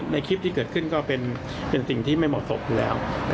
ในคลิปที่เกิดขึ้นก็เป็นสิ่งที่ไม่เหมาะสมอยู่แล้ว